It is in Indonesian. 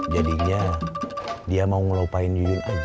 jadinya dia mau ngelupain yuyun aja